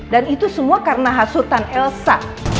dan itu semua karena hasutan elsa